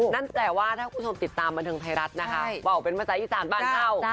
นั่นแต่ว่าถ้าคุณผู้ชมติดตามบันเทิงไทยรัฐนะคะบอกว่าเป็นประสาทที่๓บ้านเข้า